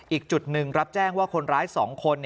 อีกจุดหนึ่งรับแจ้งว่าคนร้าย๒คน